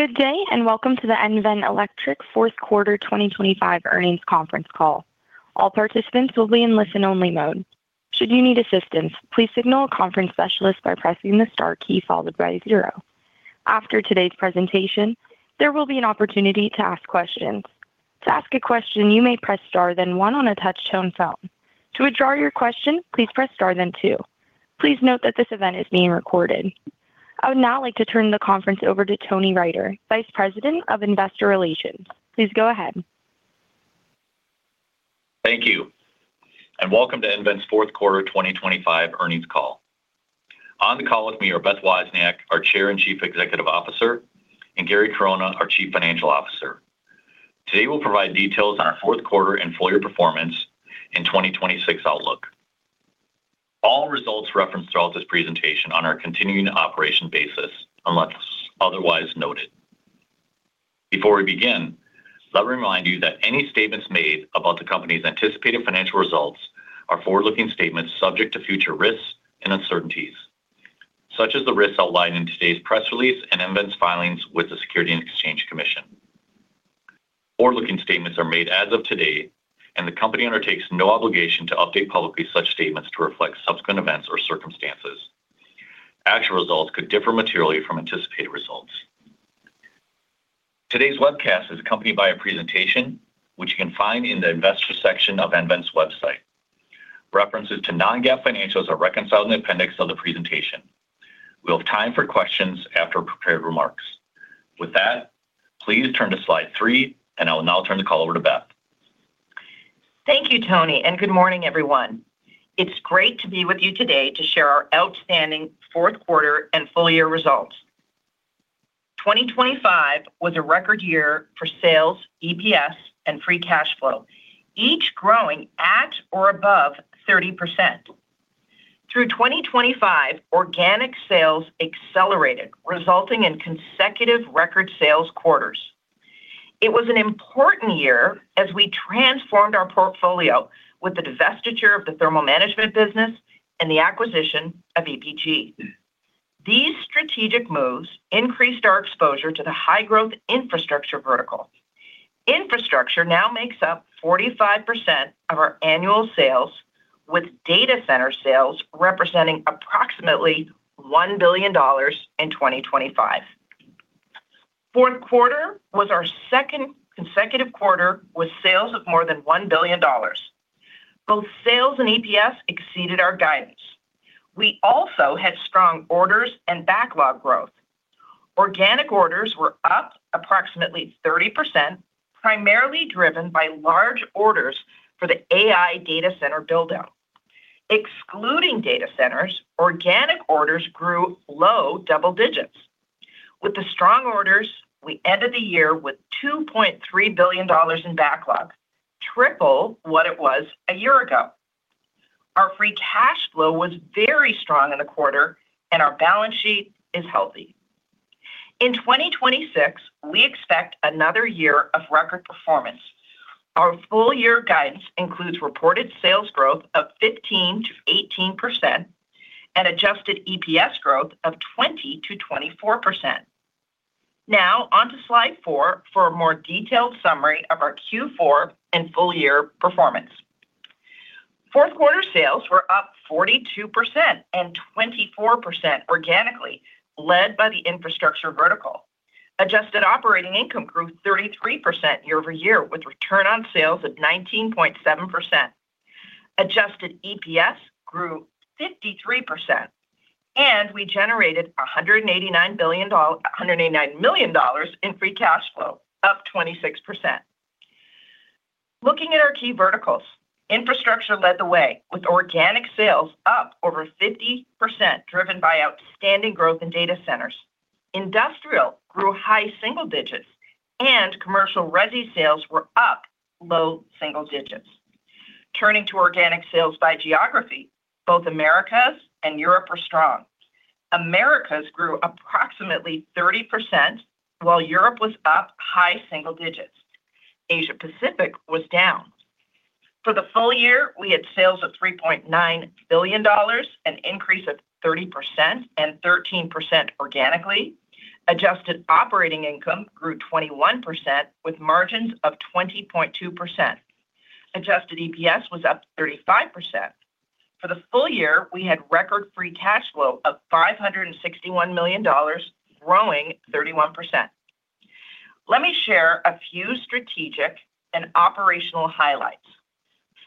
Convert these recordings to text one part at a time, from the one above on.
Good day and welcome to the nVent Electric fourth quarter 2025 earnings conference call. All participants will be in listen-only mode. Should you need assistance, please signal a conference specialist by pressing the star key followed by zero. After today's presentation, there will be an opportunity to ask questions. To ask a question, you may press star then one on a touch-tone phone. To withdraw your question, please press star then two. Please note that this event is being recorded. I would now like to turn the conference over to Tony Riter, Vice President of Investor Relations. Please go ahead. Thank you and welcome to nVent's fourth quarter 2025 earnings call. On the call with me are Beth Wozniak, our Chair and Chief Executive Officer, and Gary Corona, our Chief Financial Officer. Today we'll provide details on our fourth quarter and full year performance and 2026 outlook. All results referenced throughout this presentation are on our continuing operations basis, unless otherwise noted. Before we begin, let me remind you that any statements made about the company's anticipated financial results are forward-looking statements subject to future risks and uncertainties, such as the risks outlined in today's press release and nVent's filings with the Securities and Exchange Commission. Forward-looking statements are made as of today, and the company undertakes no obligation to update publicly such statements to reflect subsequent events or circumstances. Actual results could differ materially from anticipated results. Today's webcast is accompanied by a presentation which you can find in the Investor section of nVent's website. References to non-GAAP financials are reconciled in the appendix of the presentation. We'll have time for questions after prepared remarks. With that, please turn to slide 3, and I will now turn the call over to Beth. Thank you, Tony, and good morning, everyone. It's great to be with you today to share our outstanding fourth quarter and full-year results. 2025 was a record year for sales, EPS, and free cash flow, each growing at or above 30%. Through 2025, organic sales accelerated, resulting in consecutive record sales quarters. It was an important year as we transformed our portfolio with the divestiture of the thermal management business and the acquisition of EPG. These strategic moves increased our exposure to the high-growth infrastructure vertical. Infrastructure now makes up 45% of our annual sales, with data center sales representing approximately $1 billion in 2025. Fourth quarter was our second consecutive quarter with sales of more than $1 billion. Both sales and EPS exceeded our guidance. We also had strong orders and backlog growth. Organic orders were up approximately 30%, primarily driven by large orders for the AI data center buildout. Excluding data centers, organic orders grew low double digits. With the strong orders, we ended the year with $2.3 billion in backlog, triple what it was a year ago. Our free cash flow was very strong in the quarter, and our balance sheet is healthy. In 2026, we expect another year of record performance. Our full-year guidance includes reported sales growth of 15%-18% and adjusted EPS growth of 20%-24%. Now onto slide four for a more detailed summary of our Q4 and full-year performance. Fourth quarter sales were up 42% and 24% organically, led by the infrastructure vertical. Adjusted operating income grew 33% year-over-year, with return on sales of 19.7%. Adjusted EPS grew 53%, and we generated $189 million in free cash flow, up 26%. Looking at our key verticals, infrastructure led the way, with organic sales up over 50%, driven by outstanding growth in data centers. Industrial grew high single digits, and commercial resi sales were up low single digits. Turning to organic sales by geography, both Americas and Europe were strong. Americas grew approximately 30%, while Europe was up high single digits. Asia Pacific was down. For the full year, we had sales of $3.9 billion, an increase of 30% and 13% organically. Adjusted operating income grew 21%, with margins of 20.2%. Adjusted EPS was up 35%. For the full year, we had record free cash flow of $561 million, growing 31%. Let me share a few strategic and operational highlights.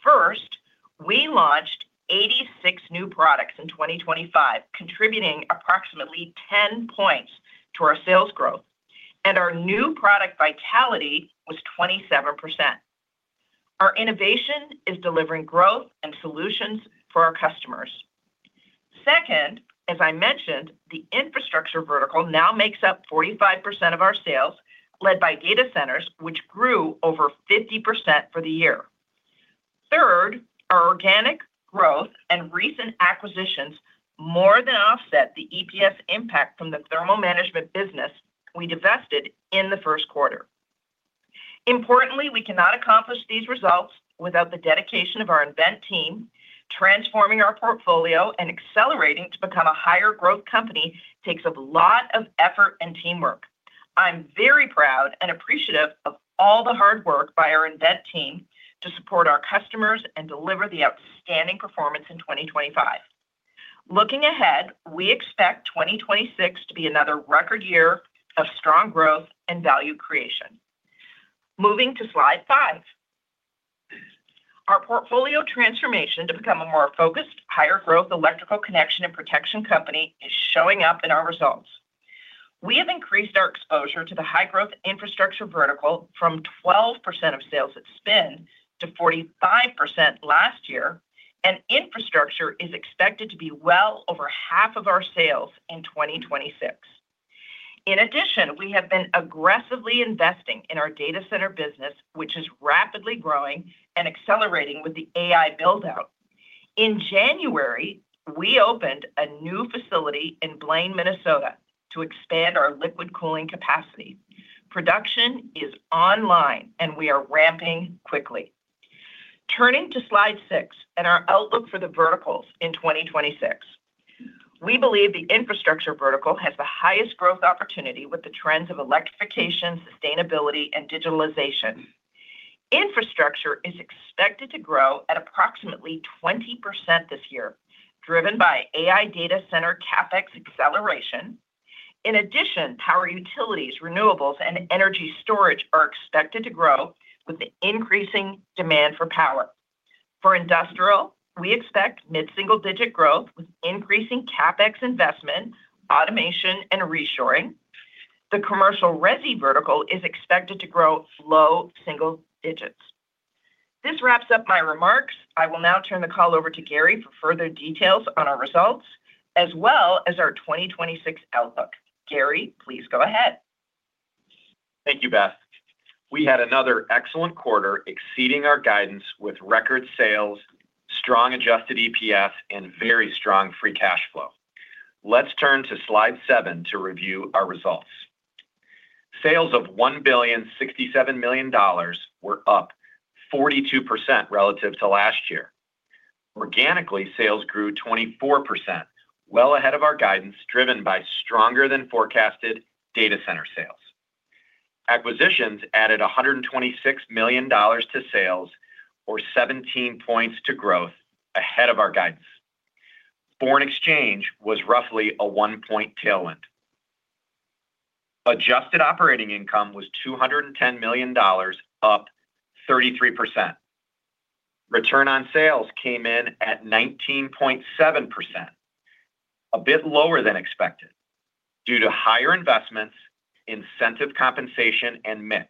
First, we launched 86 new products in 2025, contributing approximately 10 points to our sales growth, and our new product vitality was 27%. Our innovation is delivering growth and solutions for our customers. Second, as I mentioned, the infrastructure vertical now makes up 45% of our sales, led by data centers, which grew over 50% for the year. Third, our organic growth and recent acquisitions more than offset the EPS impact from the thermal management business we divested in the first quarter. Importantly, we cannot accomplish these results without the dedication of our nVent team. Transforming our portfolio and accelerating to become a higher-growth company takes a lot of effort and teamwork. I'm very proud and appreciative of all the hard work by our nVent team to support our customers and deliver the outstanding performance in 2025. Looking ahead, we expect 2026 to be another record year of strong growth and value creation. Moving to slide five. Our portfolio transformation to become a more focused, higher-growth electrical connection and protection company is showing up in our results. We have increased our exposure to the high-growth infrastructure vertical from 12% of sales at spin to 45% last year, and infrastructure is expected to be well over half of our sales in 2026. In addition, we have been aggressively investing in our data center business, which is rapidly growing and accelerating with the AI buildout. In January, we opened a new facility in Blaine, Minnesota, to expand our liquid cooling capacity. Production is online, and we are ramping quickly. Turning to slide six and our outlook for the verticals in 2026. We believe the infrastructure vertical has the highest growth opportunity with the trends of electrification, sustainability, and digitalization. Infrastructure is expected to grow at approximately 20% this year, driven by AI data center CapEx acceleration. In addition, power utilities, renewables, and energy storage are expected to grow with the increasing demand for power. For industrial, we expect mid-single digit growth with increasing CapEx investment, automation, and reshoring. The commercial resi vertical is expected to grow low single digits. This wraps up my remarks. I will now turn the call over to Gary for further details on our results, as well as our 2026 outlook. Gary, please go ahead. Thank you, Beth. We had another excellent quarter exceeding our guidance with record sales, strong adjusted EPS, and very strong free cash flow. Let's turn to slide seven to review our results. Sales of $1.067 billion were up 42% relative to last year. Organically, sales grew 24%, well ahead of our guidance, driven by stronger than forecasted data center sales. Acquisitions added $126 million to sales, or 17 points to growth, ahead of our guidance. Foreign exchange was roughly a 1-point tailwind. Adjusted operating income was $210 million, up 33%. Return on sales came in at 19.7%, a bit lower than expected due to higher investments, incentive compensation, and mix.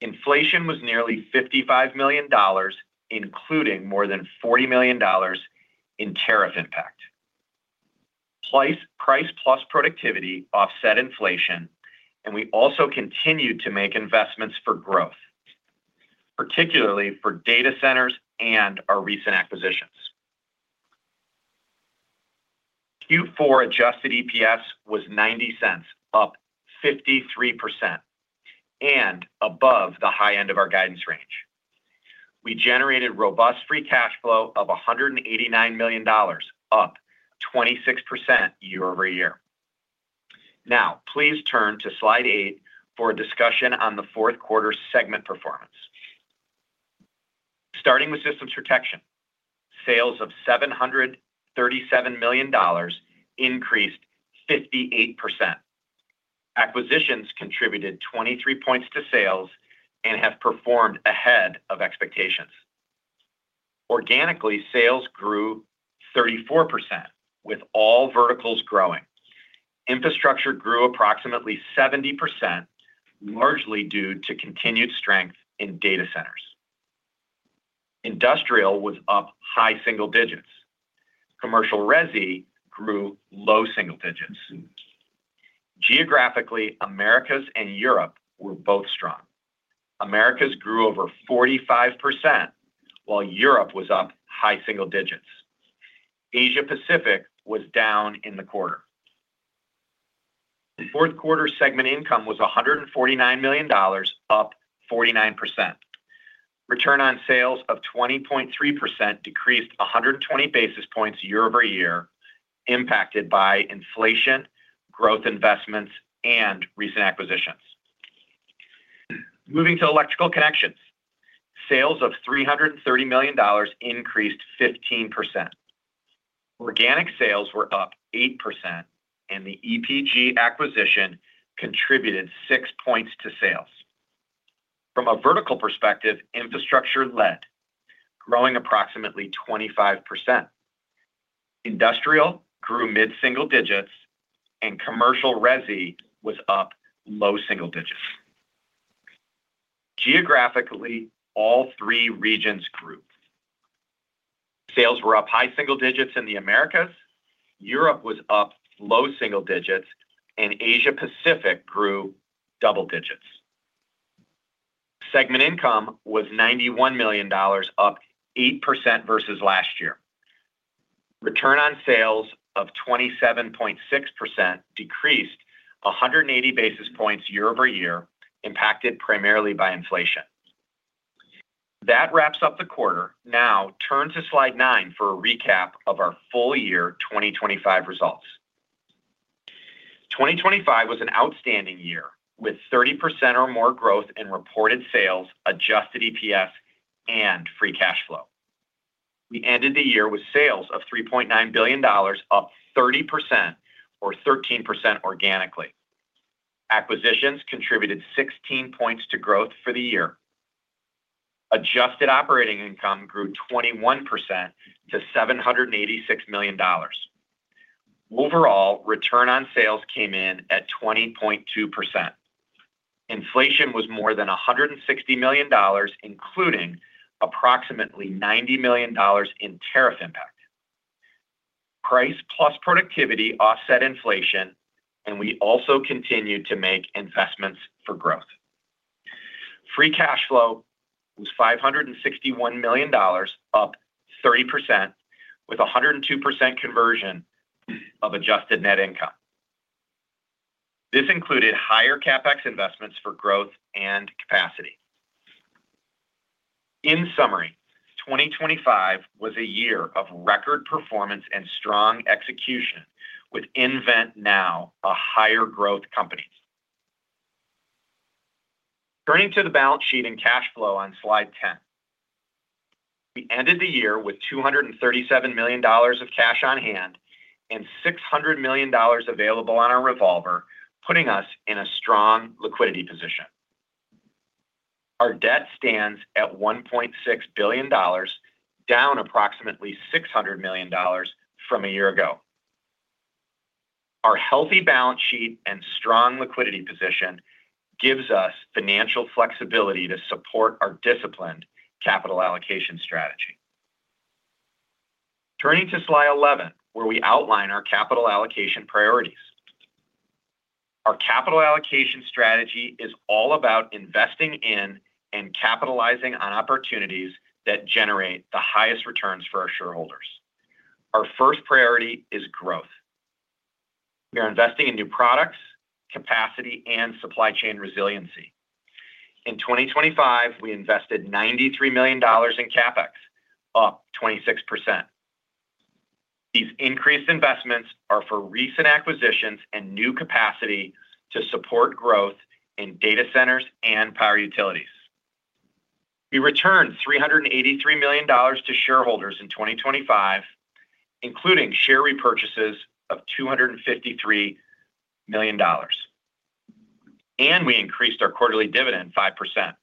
Inflation was nearly $55 million, including more than $40 million in tariff impact. Price-plus productivity offset inflation, and we also continued to make investments for growth, particularly for data centers and our recent acquisitions. Q4 adjusted EPS was $0.90, up 53%, and above the high end of our guidance range. We generated robust free cash flow of $189 million, up 26% year-over-year. Now, please turn to slide eight for a discussion on the fourth quarter segment performance. Starting with Systems Protection, sales of $737 million increased 58%. Acquisitions contributed 23 points to sales and have performed ahead of expectations. Organically, sales grew 34%, with all verticals growing. Infrastructure grew approximately 70%, largely due to continued strength in data centers. Industrial was up high single digits. Commercial resi grew low single digits. Geographically, Americas and Europe were both strong. Americas grew over 45%, while Europe was up high single digits. Asia Pacific was down in the quarter. Fourth quarter segment income was $149 million, up 49%. Return on sales of 20.3% decreased 120 basis points year-over-year, impacted by inflation, growth investments, and recent acquisitions. Moving to Electrical Connections, sales of $330 million increased 15%. Organic sales were up 8%, and the EPG acquisition contributed 6 points to sales. From a vertical perspective, infrastructure led, growing approximately 25%. Industrial grew mid-single digits, and commercial resi was up low single digits. Geographically, all three regions grew. Sales were up high single digits in the Americas. Europe was up low single digits, and Asia Pacific grew double digits. Segment income was $91 million, up 8% versus last year. Return on sales of 27.6% decreased 180 basis points year-over-year, impacted primarily by inflation. That wraps up the quarter. Now, turn to slide nine for a recap of our full-year 2025 results. 2025 was an outstanding year with 30% or more growth in reported sales, adjusted EPS, and free cash flow. We ended the year with sales of $3.9 billion, up 30%, or 13% organically. Acquisitions contributed 16 points to growth for the year. Adjusted operating income grew 21% to $786 million. Overall, return on sales came in at 20.2%. Inflation was more than $160 million, including approximately $90 million in tariff impact. Price-plus productivity offset inflation, and we also continued to make investments for growth. Free cash flow was $561 million, up 30%, with 102% conversion of adjusted net income. This included higher CapEx investments for growth and capacity. In summary, 2025 was a year of record performance and strong execution with nVent now a higher-growth company. Turning to the balance sheet and cash flow on slide 10. We ended the year with $237 million of cash on hand and $600 million available on our revolver, putting us in a strong liquidity position. Our debt stands at $1.6 billion, down approximately $600 million from a year ago. Our healthy balance sheet and strong liquidity position gives us financial flexibility to support our disciplined capital allocation strategy. Turning to slide 11, where we outline our capital allocation priorities. Our capital allocation strategy is all about investing in and capitalizing on opportunities that generate the highest returns for our shareholders. Our first priority is growth. We are investing in new products, capacity, and supply chain resiliency. In 2025, we invested $93 million in CapEx, up 26%. These increased investments are for recent acquisitions and new capacity to support growth in data centers and power utilities. We returned $383 million to shareholders in 2025, including share repurchases of $253 million, and we increased our quarterly dividend 5%.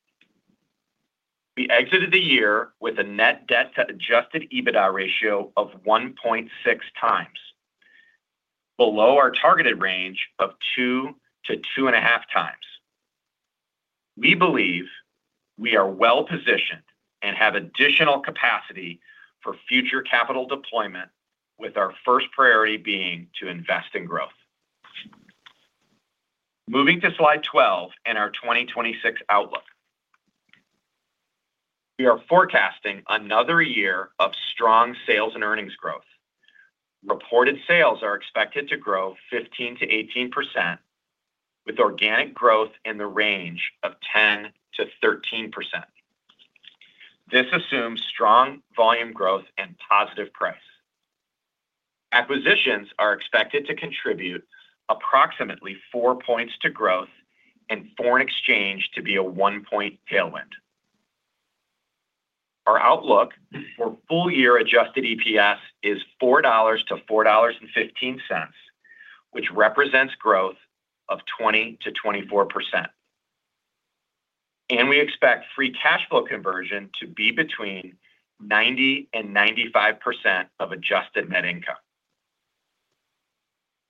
We exited the year with a net debt-to-adjusted EBITDA ratio of 1.6 times, below our targeted range of 2-2.5 times. We believe we are well positioned and have additional capacity for future capital deployment, with our first priority being to invest in growth. Moving to slide 12 and our 2026 outlook. We are forecasting another year of strong sales and earnings growth. Reported sales are expected to grow 15%-18%, with organic growth in the range of 10%-13%. This assumes strong volume growth and positive price. Acquisitions are expected to contribute approximately four points to growth, and foreign exchange to be a one-point tailwind. Our outlook for full-year adjusted EPS is $4-$4.15, which represents growth of 20%-24%, and we expect free cash flow conversion to be between 90%-95% of adjusted net income.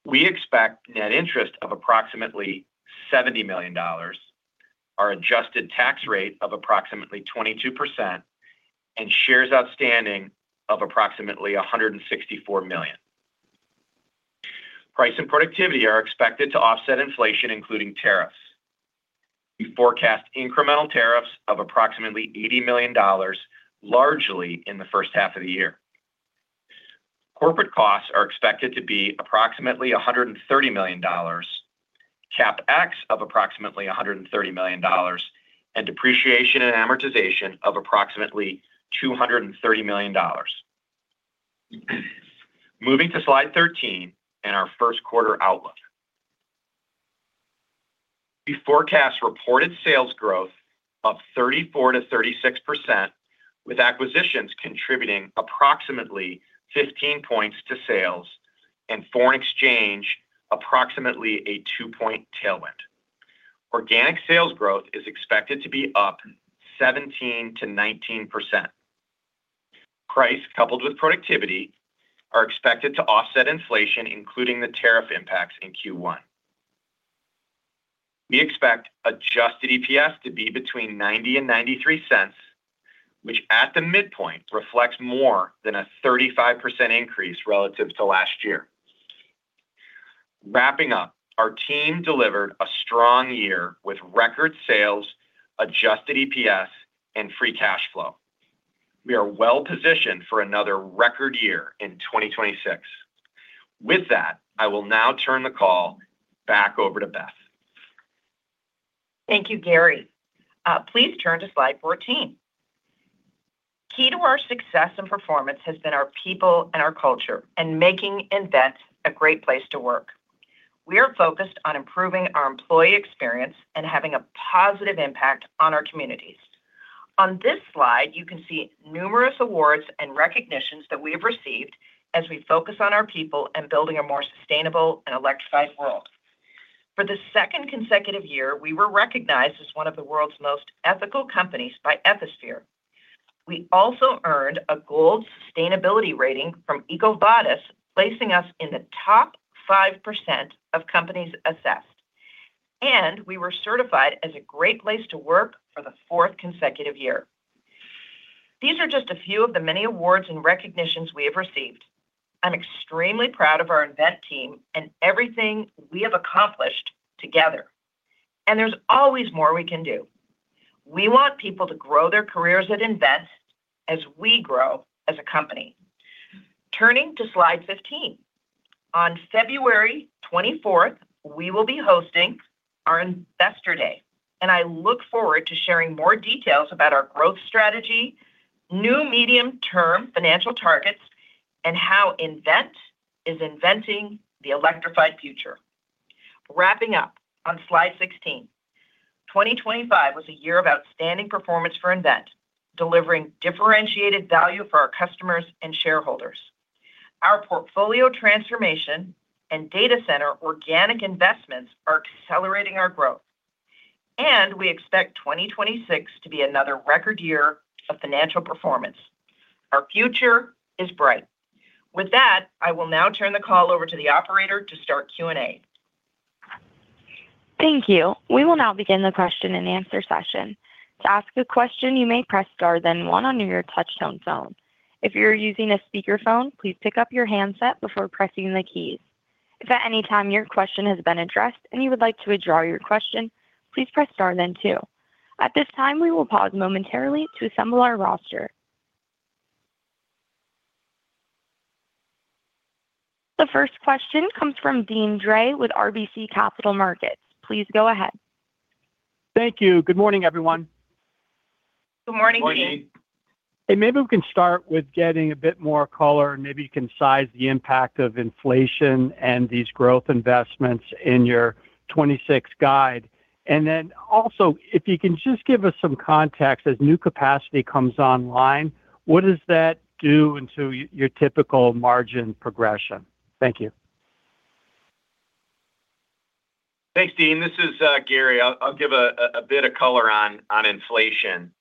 We expect net interest of approximately $70 million, our adjusted tax rate of approximately 22%, and shares outstanding of approximately 164 million. Price and productivity are expected to offset inflation, including tariffs. We forecast incremental tariffs of approximately $80 million, largely in the first half of the year. Corporate costs are expected to be approximately $130 million, CapEx of approximately $130 million, and depreciation and amortization of approximately $230 million. Moving to slide 13 and our first quarter outlook. We forecast reported sales growth of 34%-36%, with acquisitions contributing approximately 15 points to sales and foreign exchange approximately a 2-point tailwind. Organic sales growth is expected to be up 17%-19%. Price coupled with productivity are expected to offset inflation, including the tariff impacts in Q1. We expect adjusted EPS to be between $0.90 and $0.93, which at the midpoint reflects more than a 35% increase relative to last year. Wrapping up, our team delivered a strong year with record sales, adjusted EPS, and free cash flow. We are well positioned for another record year in 2026. With that, I will now turn the call back over to Beth. Thank you, Gary. Please turn to slide 14. Key to our success and performance has been our people and our culture and making nVent a great place to work. We are focused on improving our employee experience and having a positive impact on our communities. On this slide, you can see numerous awards and recognitions that we have received as we focus on our people and building a more sustainable and electrified world. For the second consecutive year, we were recognized as one of the world's most ethical companies by Ethisphere. We also earned a Gold Sustainability Rating from EcoVadis, placing us in the top 5% of companies assessed, and we were certified as a great place to work for the fourth consecutive year. These are just a few of the many awards and recognitions we have received. I'm extremely proud of our nVent team and everything we have accomplished together, and there's always more we can do. We want people to grow their careers at nVent as we grow as a company. Turning to slide 15. On February 24th, we will be hosting our Investor Day, and I look forward to sharing more details about our growth strategy, new medium-term financial targets, and how nVent is inventing the electrified future. Wrapping up on slide 16. 2025 was a year of outstanding performance for nVent, delivering differentiated value for our customers and shareholders. Our portfolio transformation and data center organic investments are accelerating our growth, and we expect 2026 to be another record year of financial performance. Our future is bright. With that, I will now turn the call over to the operator to start Q&A. Thank you. We will now begin the question and answer session. To ask a question, you may press star then one on your touch-tone phone. If you're using a speakerphone, please pick up your handset before pressing the keys. If at any time your question has been addressed and you would like to withdraw your question, please press star then two. At this time, we will pause momentarily to assemble our roster. The first question comes from Deane Dray with RBC Capital Markets. Please go ahead. Thank you. Good morning, everyone. Good morning, Deane. Hey, maybe we can start with getting a bit more color, and maybe you can size the impact of inflation and these growth investments in your 26 guide. And then also, if you can just give us some context as new capacity comes online, what does that do into your typical margin progression? Thank you. Thanks, Deane. This is Gary. I'll give a bit of color on inflation.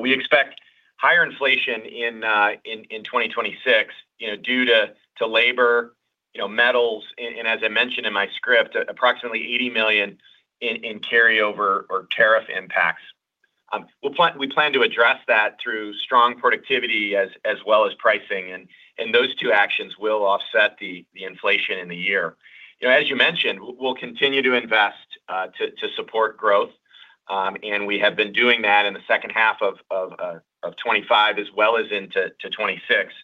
We expect higher inflation in 2026 due to labor, metals, and as I mentioned in my script, approximately $80 million in carryover or tariff impacts. We plan to address that through strong productivity as well as pricing, and those two actions will offset the inflation in the year. As you mentioned, we'll continue to invest to support growth, and we have been doing that in the second half of 2025 as well as into 2026,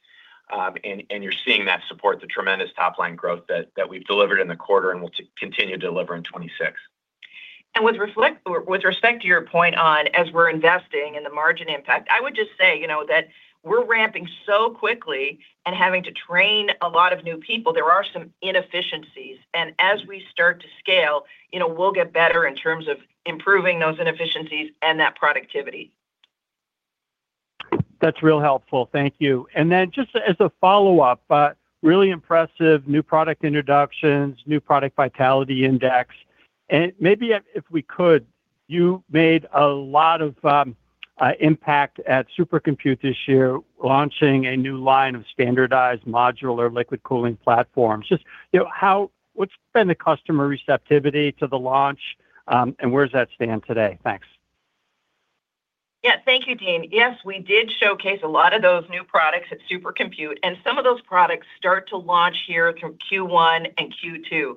and you're seeing that support the tremendous top-line growth that we've delivered in the quarter and will continue to deliver in 2026. With respect to your point on as we're investing and the margin impact, I would just say that we're ramping so quickly and having to train a lot of new people. There are some inefficiencies, and as we start to scale, we'll get better in terms of improving those inefficiencies and that productivity. That's real helpful. Thank you. Then just as a follow-up, really impressive new product introductions, new product vitality index. Maybe if we could, you made a lot of impact at Supercomputing this year launching a new line of standardized modular liquid cooling platforms. What's been the customer receptivity to the launch, and where does that stand today? Thanks. Yeah, thank you, Dean. Yes, we did showcase a lot of those new products at Super Compute, and some of those products start to launch here through Q1 and Q2.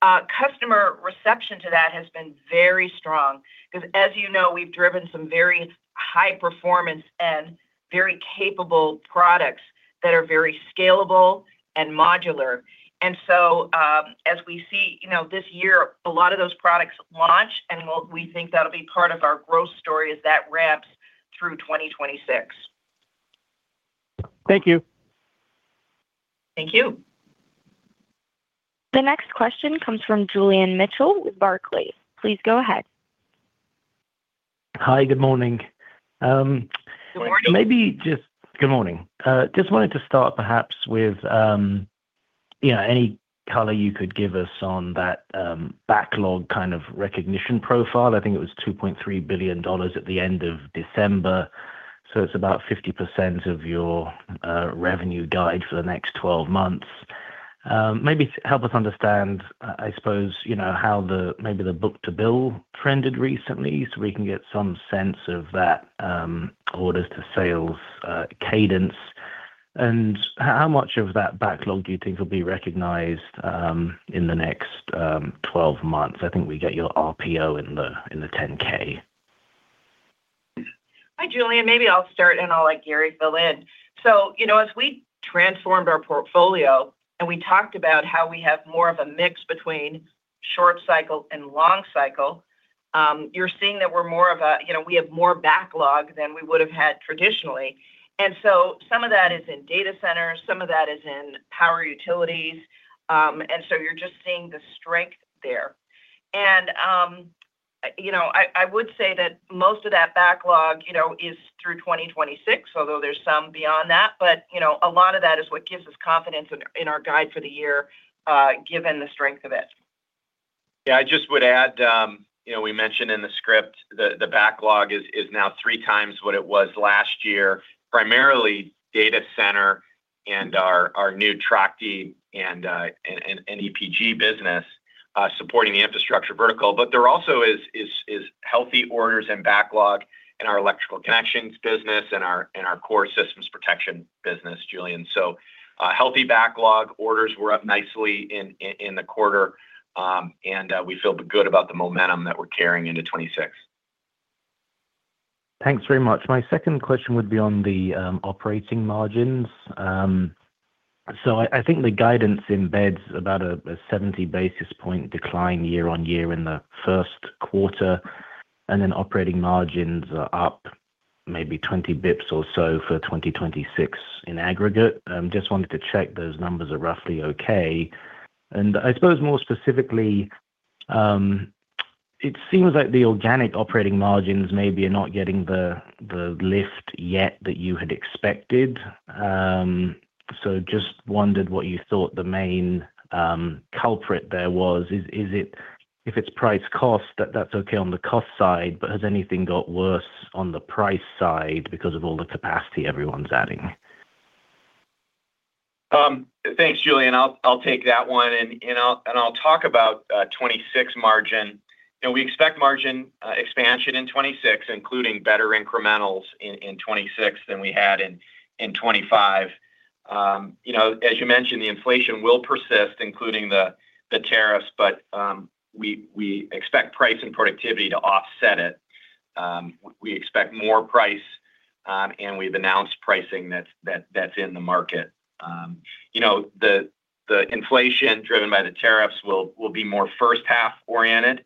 Customer reception to that has been very strong because, as you know, we've driven some very high-performance and very capable products that are very scalable and modular. And so as we see this year, a lot of those products launch, and we think that'll be part of our growth story as that ramps through 2026. Thank you. Thank you. The next question comes from Julian Mitchell with Barclays. Please go ahead. Hi, good morning. Good morning. Maybe just good morning. Just wanted to start perhaps with any color you could give us on that backlog kind of recognition profile. I think it was $2.3 billion at the end of December, so it's about 50% of your revenue guide for the next twelve months. Maybe help us understand, I suppose, how maybe the book-to-bill trended recently so we can get some sense of that orders-to-sales cadence. And how much of that backlog do you think will be recognized in the next twelve months? I think we get your RPO in the 10-K. Hi, Julian. Maybe I'll start, and I'll let Gary fill in. So as we transformed our portfolio and we talked about how we have more of a mix between short cycle and long cycle, you're seeing that we're more of a we have more backlog than we would have had traditionally. And so some of that is in data centers, some of that is in power utilities, and so you're just seeing the strength there. And I would say that most of that backlog is through 2026, although there's some beyond that, but a lot of that is what gives us confidence in our guide for the year given the strength of it. Yeah, I just would add we mentioned in the script the backlog is now three times what it was last year, primarily data center and our new Trachte and EPG business supporting the infrastructure vertical, but there also is healthy orders and backlog in our Electrical Connections business and our core Systems Protection business, Julian. So healthy backlog, orders were up nicely in the quarter, and we feel good about the momentum that we're carrying into 2026. Thanks very much. My second question would be on the operating margins. So I think the guidance embeds about a 70 basis point decline year-on-year in the first quarter, and then operating margins are up maybe 20 basis points or so for 2026 in aggregate. Just wanted to check those numbers are roughly okay. And I suppose more specifically, it seems like the organic operating margins maybe are not getting the lift yet that you had expected. So just wondered what you thought the main culprit there was. If it's price-cost, that's okay on the cost side, but has anything got worse on the price side because of all the capacity everyone's adding? Thanks, Julian. I'll take that one, and I'll talk about 2026 margin. We expect margin expansion in 2026, including better incrementals in 2026 than we had in 2025. As you mentioned, the inflation will persist, including the tariffs, but we expect price and productivity to offset it. We expect more price, and we've announced pricing that's in the market. The inflation driven by the tariffs will be more first-half oriented,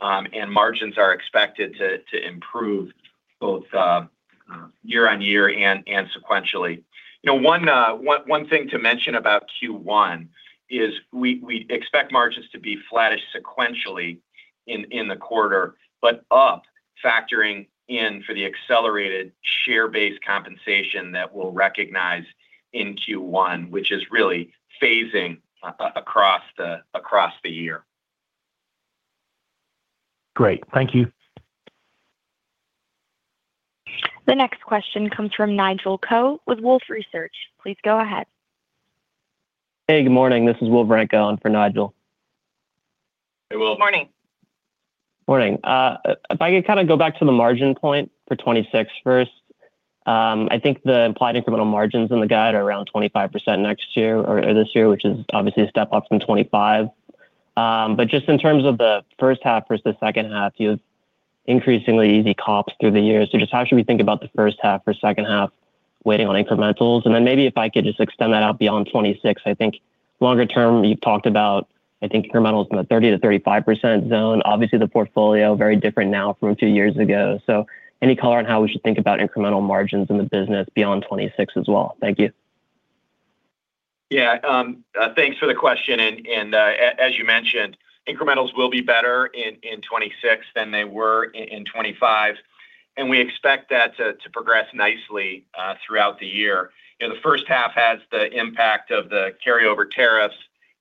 and margins are expected to improve both year-over-year and sequentially. One thing to mention about Q1 is we expect margins to be flattish sequentially in the quarter but up, factoring in for the accelerated share-based compensation that we'll recognize in Q1, which is really phasing across the year. Great. Thank you. The next question comes from Nigel Coe with Wolfe Research. Please go ahead. Hey, good morning. This is Will Branco for Nigel. Hey, Will. Good morning. Morning. If I could kind of go back to the margin point for 2026 first. I think the implied incremental margins in the guide are around 25% next year or this year, which is obviously a step up from 25. But just in terms of the first half versus the second half, you have increasingly easy comps through the year. So just how should we think about the first half or second half weighting on incrementals? And then maybe if I could just extend that out beyond 2026, I think longer term, you've talked about, I think, incrementals in the 30%-35% zone. Obviously, the portfolio is very different now from a few years ago. So any color on how we should think about incremental margins in the business beyond 2026 as well? Thank you. Yeah. Thanks for the question. As you mentioned, incrementals will be better in 2026 than they were in 2025, and we expect that to progress nicely throughout the year. The first half has the impact of the carryover tariffs,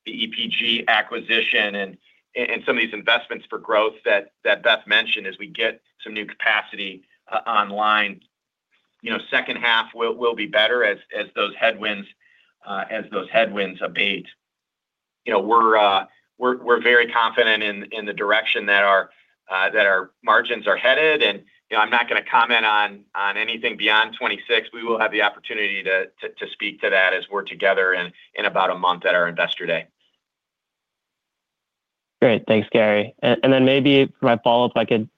the EPG acquisition, and some of these investments for growth that Beth mentioned as we get some new capacity online. Second half will be better as those headwinds abate. We're very confident in the direction that our margins are headed, and I'm not going to comment on anything beyond 2026. We will have the opportunity to speak to that as we're together in about a month at our Investor Day. Great. Thanks, Gary. And then maybe for my follow-up, I could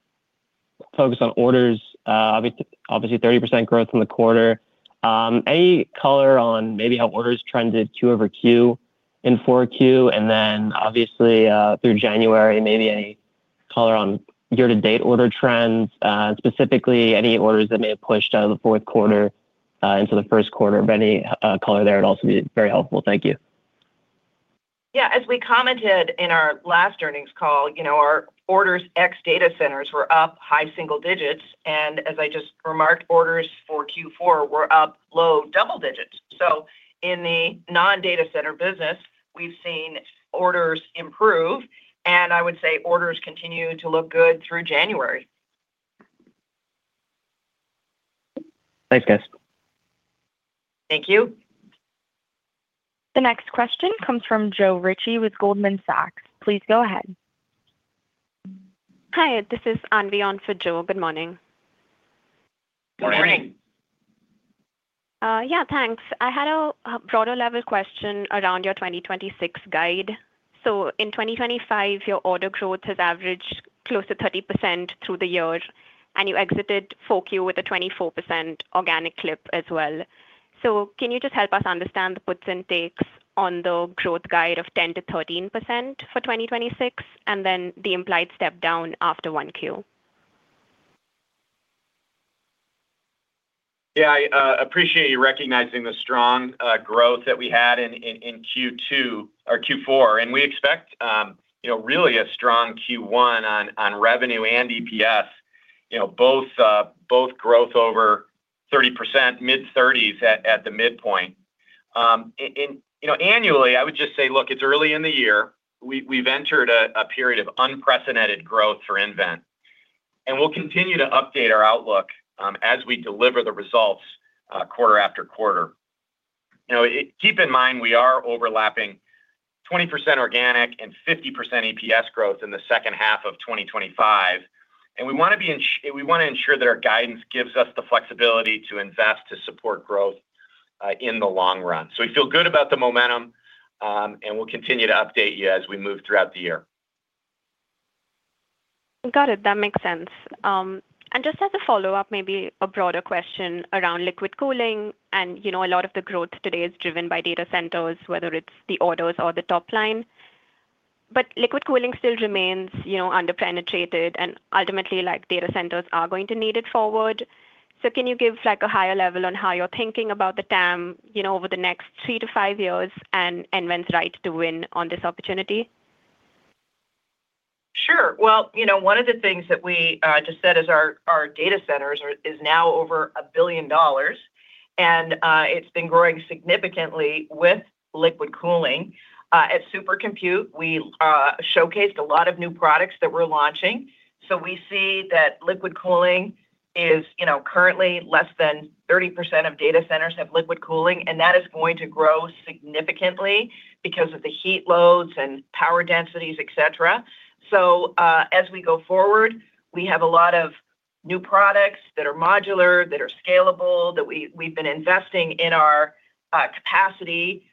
focus on orders. Obviously, 30% growth in the quarter. Any color on maybe how orders trended Q over Q in fourth Q, and then obviously through January, maybe any color on year-to-date order trends, specifically any orders that may have pushed out of the fourth quarter into the first quarter? If any color there, it'd also be very helpful. Thank you. Yeah. As we commented in our last earnings call, our orders ex-data centers were up high single digits, and as I just remarked, orders for Q4 were up low double digits. So in the non-data center business, we've seen orders improve, and I would say orders continue to look good through January. Thanks, guys. Thank you. The next question comes from Joe Ritchie with Goldman Sachs. Please go ahead. Hi. This is Anvi for Joe. Good morning. Good morning. Yeah, thanks. I had a broader-level question around your 2026 guide. So in 2025, your order growth has averaged close to 30% through the year, and you exited Q4 with a 24% organic clip as well. So can you just help us understand the puts and takes on the growth guide of 10%-13% for 2026 and then the implied step-down after Q1? Yeah. I appreciate you recognizing the strong growth that we had in Q2 or Q4, and we expect really a strong Q1 on revenue and EPS, both growth over 30%, mid-thirties at the midpoint. Annually, I would just say, look, it's early in the year. We've entered a period of unprecedented growth for nVent, and we'll continue to update our outlook as we deliver the results quarter after quarter. Keep in mind we are overlapping 20% organic and 50% EPS growth in the second half of 2025, and we want to ensure that our guidance gives us the flexibility to invest to support growth in the long run. So we feel good about the momentum, and we'll continue to update you as we move throughout the year. Got it. That makes sense. Just as a follow-up, maybe a broader question around liquid cooling, and a lot of the growth today is driven by data centers, whether it's the orders or the top line. But liquid cooling still remains under-penetrated, and ultimately, data centers are going to need it forward. Can you give a higher level on how you're thinking about the TAM over the next 3-5 years and nVent's right to win on this opportunity? Sure. Well, one of the things that we just said is our data centers is now over $1 billion, and it's been growing significantly with liquid cooling. At Super Compute, we showcased a lot of new products that we're launching, so we see that liquid cooling is currently less than 30% of data centers have liquid cooling, and that is going to grow significantly because of the heat loads and power densities, etc. So as we go forward, we have a lot of new products that are modular, that are scalable, that we've been investing in our capacity.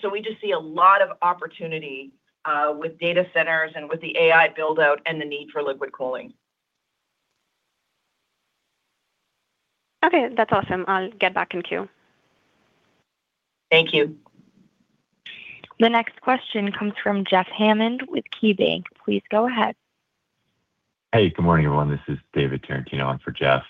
So we just see a lot of opportunity with data centers and with the AI buildout and the need for liquid cooling. Okay. That's awesome. I'll get back in queue. Thank you. The next question comes from Jeff Hammond with KeyBanc. Please go ahead. Hey, good morning, everyone. This is David Tarantino. I'm for Jeff.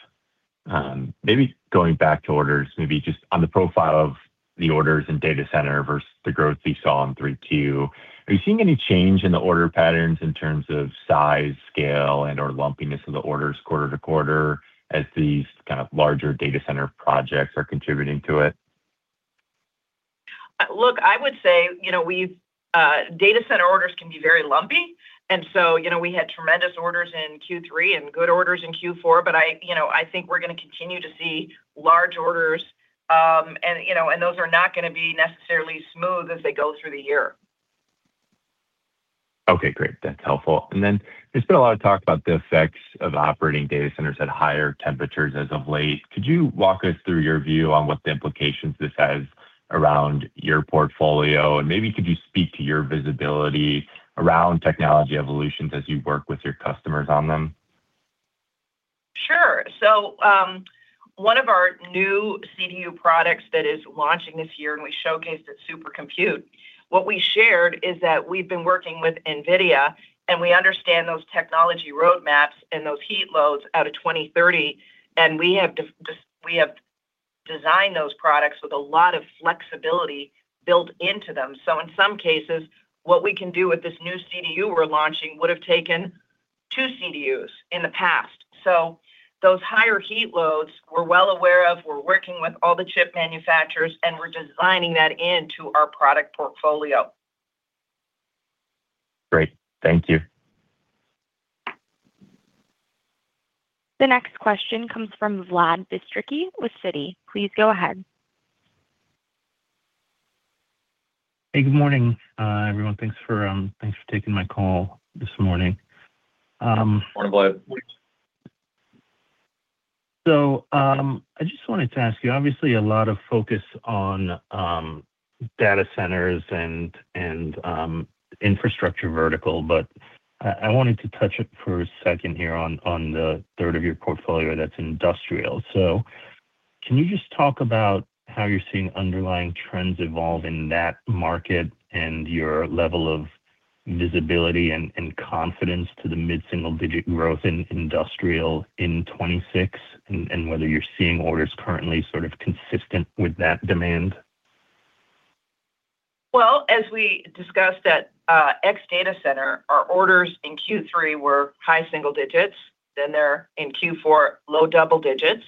Maybe going back to orders, maybe just on the profile of the orders and data center versus the growth we saw in 3Q, are you seeing any change in the order patterns in terms of size, scale, and/or lumpiness of the orders quarter to quarter as these kind of larger data center projects are contributing to it? Look, I would say we've data center orders can be very lumpy, and so we had tremendous orders in Q3 and good orders in Q4, but I think we're going to continue to see large orders, and those are not going to be necessarily smooth as they go through the year. Okay. Great. That's helpful. And then there's been a lot of talk about the effects of operating data centers at higher temperatures as of late. Could you walk us through your view on what the implications this has around your portfolio, and maybe could you speak to your visibility around technology evolutions as you work with your customers on them? Sure. So one of our new CDU products that is launching this year, and we showcased at Super Compute, what we shared is that we've been working with NVIDIA, and we understand those technology roadmaps and those heat loads out of 2030, and we have designed those products with a lot of flexibility built into them. So in some cases, what we can do with this new CDU we're launching would have taken two CDUs in the past. So those higher heat loads, we're well aware of. We're working with all the chip manufacturers, and we're designing that into our product portfolio. Great. Thank you. The next question comes from Vlad Bystricky with Citi. Please go ahead. Hey, good morning, everyone. Thanks for taking my call this morning. Good morning, Vlad. So I just wanted to ask you, obviously, a lot of focus on data centers and infrastructure vertical, but I wanted to touch it for a second here on the third of your portfolio that's industrial. So can you just talk about how you're seeing underlying trends evolve in that market and your level of visibility and confidence to the mid-single-digit growth in industrial in 2026 and whether you're seeing orders currently sort of consistent with that demand? Well, as we discussed at ex-data center, our orders in Q3 were high single digits. Then they're in Q4, low double digits.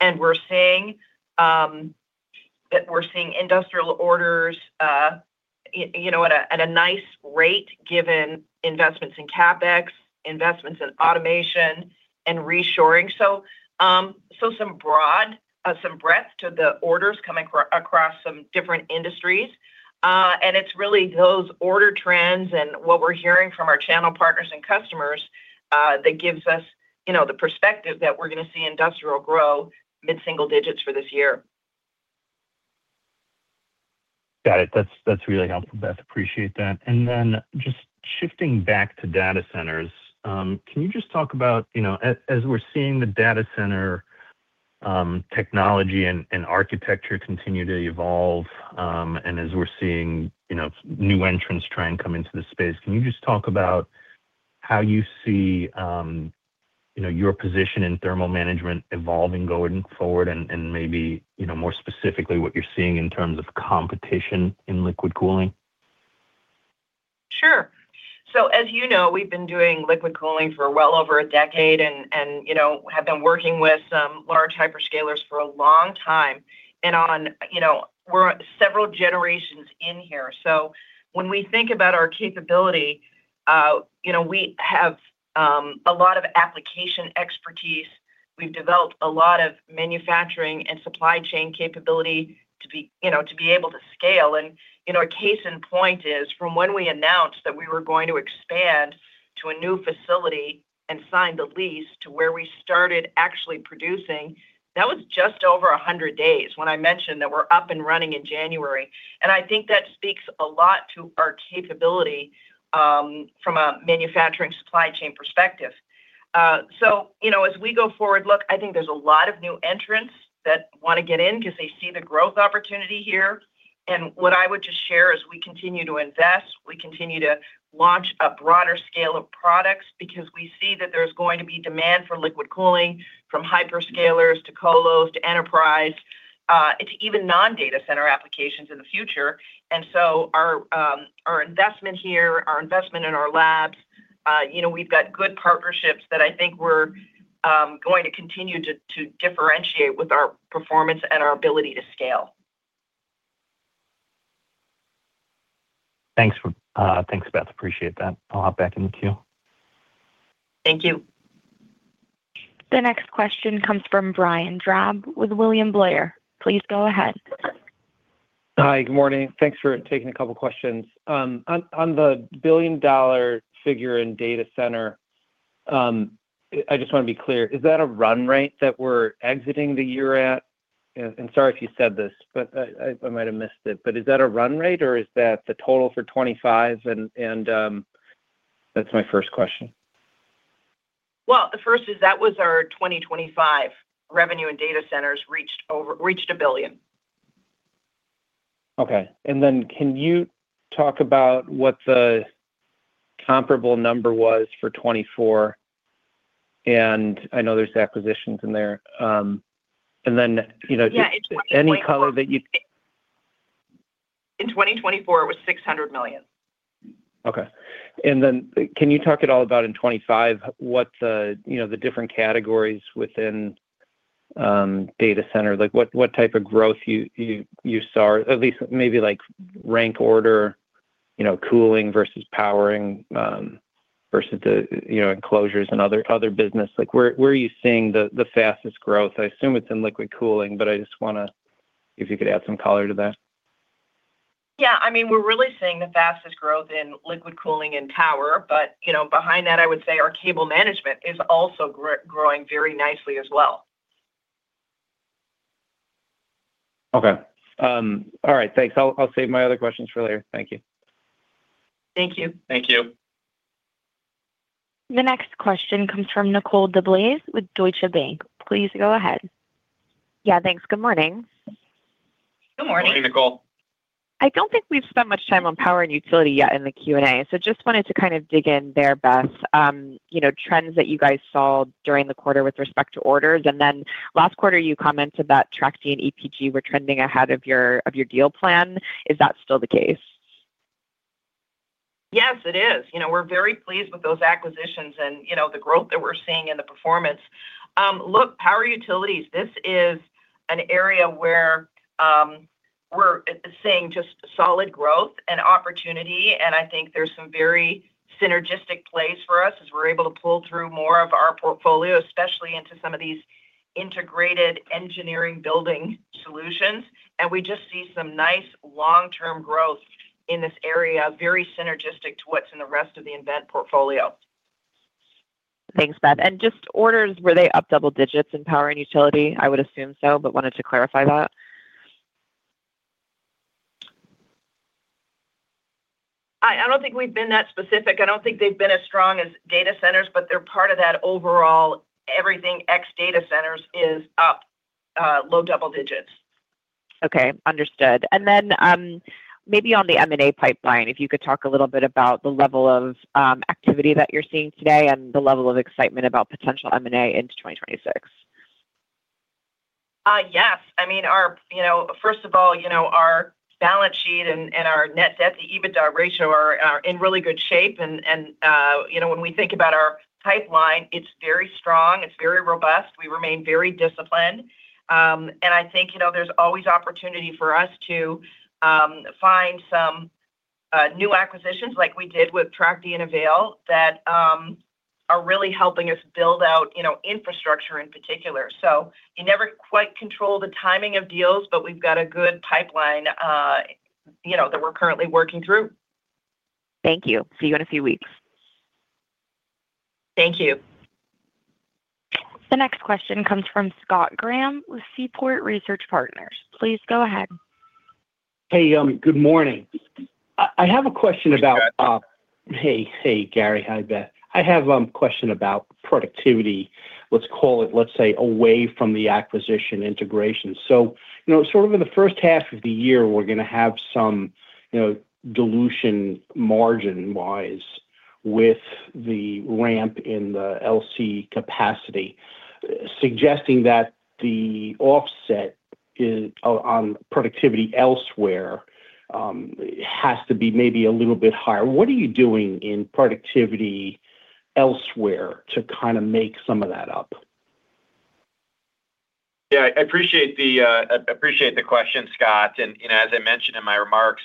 And we're seeing that we're seeing industrial orders at a nice rate given investments in CapEx, investments in automation, and reshoring. So some breadth to the orders coming across some different industries. And it's really those order trends and what we're hearing from our channel partners and customers that gives us the perspective that we're going to see industrial grow mid-single digits for this year. Got it. That's really helpful, Beth. Appreciate that. And then just shifting back to data centers, can you just talk about as we're seeing the data center technology and architecture continue to evolve and as we're seeing new entrants try and come into the space, can you just talk about how you see your position in thermal management evolving going forward and maybe more specifically what you're seeing in terms of competition in liquid cooling? Sure. As you know, we've been doing liquid cooling for well over a decade and have been working with some large hyperscalers for a long time. We're several generations in here. When we think about our capability, we have a lot of application expertise. We've developed a lot of manufacturing and supply chain capability to be able to scale. A case in point is from when we announced that we were going to expand to a new facility and sign the lease to where we started actually producing, that was just over 100 days when I mentioned that we're up and running in January. I think that speaks a lot to our capability from a manufacturing supply chain perspective. So as we go forward, look, I think there's a lot of new entrants that want to get in because they see the growth opportunity here. And what I would just share is we continue to invest. We continue to launch a broader scale of products because we see that there's going to be demand for liquid cooling from hyperscalers to colos to enterprise to even non-data center applications in the future. And so our investment here, our investment in our labs, we've got good partnerships that I think we're going to continue to differentiate with our performance and our ability to scale. Thanks, Beth. Appreciate that. I'll hop back in the queue. Thank you. The next question comes from Brian Drab with William Blair. Please go ahead. Hi. Good morning. Thanks for taking a couple of questions. On the billion-dollar figure in data center, I just want to be clear. Is that a run rate that we're exiting the year at? And sorry if you said this, but I might have missed it. But is that a run rate, or is that the total for 2025? And that's my first question. Well, the first is that our 2025 revenue in data centers reached $1 billion. Okay. And then can you talk about what the comparable number was for 2024? And I know there's acquisitions in there. And then any color that you. In 2024, it was $600 million. Okay. And then can you talk at all about in 2025, what the different categories within data center, what type of growth you saw, at least maybe rank order cooling versus powering versus the enclosures and other business? Where are you seeing the fastest growth? I assume it's in liquid cooling, but I just want to see if you could add some color to that. Yeah. I mean, we're really seeing the fastest growth in liquid cooling and power, but behind that, I would say our cable management is also growing very nicely as well. Okay. All right. Thanks. I'll save my other questions for later. Thank you. Thank you. Thank you. The next question comes from Nicole DeBlase with Deutsche Bank. Please go ahead. Yeah. Thanks. Good morning. Good morning. Good morning, Nicole. I don't think we've spent much time on power and utility yet in the Q&A, so just wanted to kind of dig in there, Beth, trends that you guys saw during the quarter with respect to orders. And then last quarter, you commented that Trachte and EPG were trending ahead of your deal plan. Is that still the case? Yes, it is. We're very pleased with those acquisitions and the growth that we're seeing in the performance. Look, power utilities, this is an area where we're seeing just solid growth and opportunity, and I think there's some very synergistic place for us as we're able to pull through more of our portfolio, especially into some of these integrated engineering building solutions. We just see some nice long-term growth in this area, very synergistic to what's in the rest of the nVent portfolio. Thanks, Beth. Just orders, were they up double digits in power and utility? I would assume so, but wanted to clarify that. I don't think we've been that specific. I don't think they've been as strong as data centers, but they're part of that overall everything ex-data centers is up low double digits. Okay. Understood. And then maybe on the M&A pipeline, if you could talk a little bit about the level of activity that you're seeing today and the level of excitement about potential M&A into 2026? Yes. I mean, first of all, our balance sheet and our net debt to EBITDA ratio are in really good shape. And when we think about our pipeline, it's very strong. It's very robust. We remain very disciplined. And I think there's always opportunity for us to find some new acquisitions like we did with Trachte and Avail that are really helping us build out infrastructure in particular. So you never quite control the timing of deals, but we've got a good pipeline that we're currently working through. Thank you. See you in a few weeks. Thank you. The next question comes from Scott Graham with Seaport Research Partners. Please go ahead. Hey, good morning. I have a question about, hey, Gary. Hi, Beth. I have a question about productivity, let's call it, let's say, away from the acquisition integration. So sort of in the first half of the year, we're going to have some dilution margin-wise with the ramp in the LC capacity, suggesting that the offset on productivity elsewhere has to be maybe a little bit higher. What are you doing in productivity elsewhere to kind of make some of that up? Yeah. I appreciate the question, Scott. And as I mentioned in my remarks,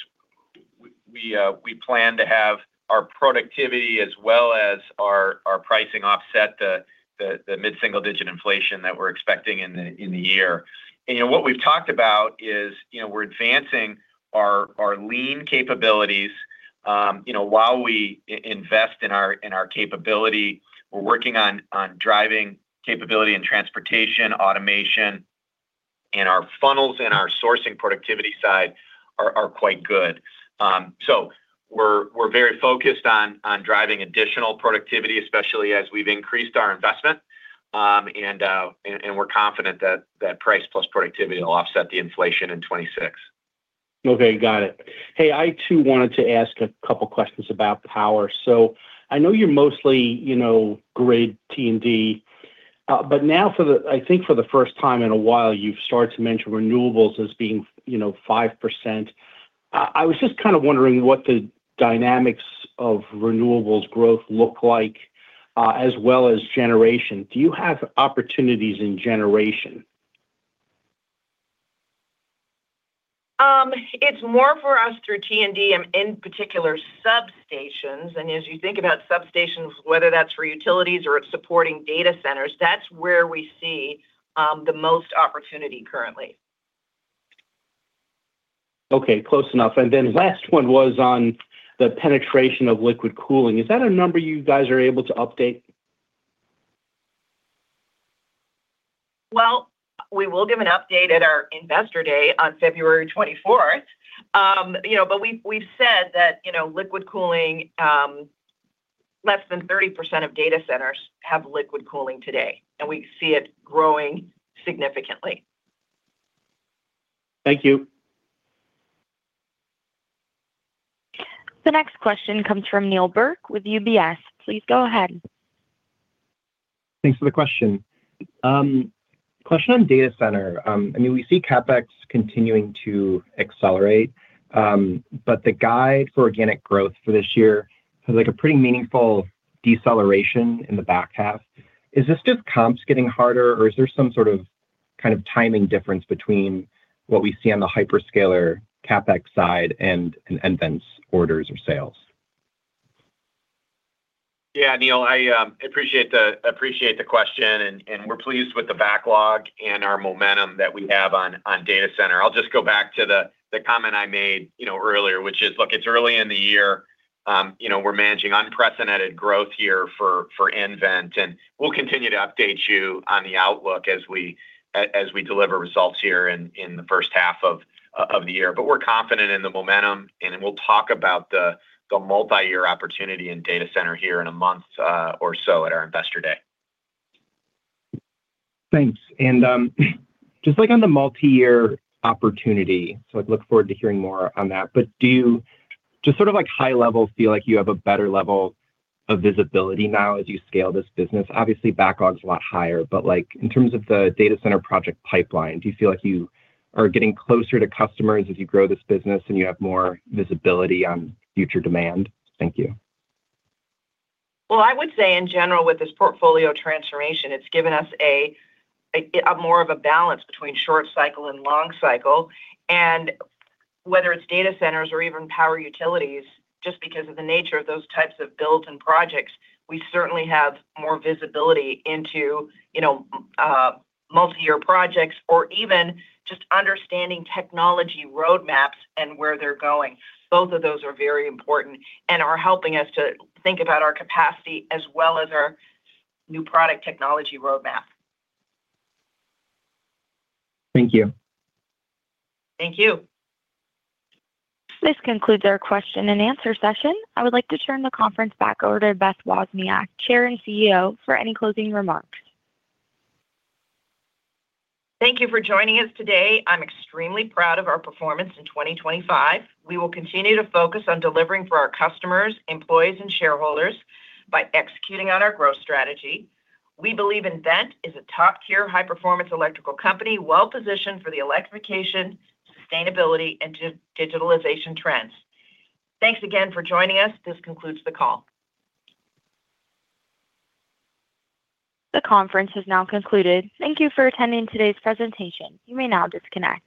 we plan to have our productivity as well as our pricing offset the mid-single digit inflation that we're expecting in the year. And what we've talked about is we're advancing our lean capabilities while we invest in our capability. We're working on driving capability in transportation, automation, and our funnels and our sourcing productivity side are quite good. So we're very focused on driving additional productivity, especially as we've increased our investment, and we're confident that price plus productivity will offset the inflation in 2026. Okay. Got it. Hey, I too wanted to ask a couple of questions about power. I know you're mostly grid T&D, but now, I think for the first time in a while, you've started to mention renewables as being 5%. I was just kind of wondering what the dynamics of renewables growth look like as well as generation. Do you have opportunities in generation? It's more for us through T and D and in particular substations. As you think about substations, whether that's for utilities or supporting data centers, that's where we see the most opportunity currently. Okay. Close enough. And then last one was on the penetration of liquid cooling. Is that a number you guys are able to update? Well, we will give an update at our investor day on February 24th. We've said that less than 30% of data centers have liquid cooling today, and we see it growing significantly. Thank you. The next question comes from Neal Burk with UBS. Please go ahead. Thanks for the question. Question on data center. I mean, we see CapEx continuing to accelerate, but the guide for organic growth for this year has a pretty meaningful deceleration in the back half. Is this just comps getting harder, or is there some sort of kind of timing difference between what we see on the hyperscaler CapEx side and nVent's orders or sales? Yeah, Neal, I appreciate the question, and we're pleased with the backlog and our momentum that we have on data center. I'll just go back to the comment I made earlier, which is, look, it's early in the year. We're managing unprecedented growth here for nVent, and we'll continue to update you on the outlook as we deliver results here in the first half of the year. But we're confident in the momentum, and we'll talk about the multi-year opportunity in data center here in a month or so at our Investor Day. Thanks. Just like on the multi-year opportunity, so I look forward to hearing more on that. Do you just sort of high-level feel like you have a better level of visibility now as you scale this business? Obviously, backlog is a lot higher, but in terms of the data center project pipeline, do you feel like you are getting closer to customers as you grow this business and you have more visibility on future demand? Thank you. Well, I would say in general, with this portfolio transformation, it's given us more of a balance between short cycle and long cycle. Whether it's data centers or even power utilities, just because of the nature of those types of builds and projects, we certainly have more visibility into multi-year projects or even just understanding technology roadmaps and where they're going. Both of those are very important and are helping us to think about our capacity as well as our new product technology roadmap. Thank you. Thank you. This concludes our question and answer session. I would like to turn the conference back over to Beth Wozniak, Chair and CEO, for any closing remarks. Thank you for joining us today. I'm extremely proud of our performance in 2025. We will continue to focus on delivering for our customers, employees, and shareholders by executing on our growth strategy. We believe nVent is a top-tier high-performance electrical company well-positioned for the electrification, sustainability, and digitalization trends. Thanks again for joining us. This concludes the call. The conference has now concluded. Thank you for attending today's presentation. You may now disconnect.